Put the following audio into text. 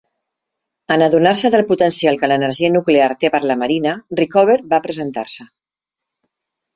En adonar-se del potencial que l'energia nuclear té per a la marina, Rickover va presentar-se.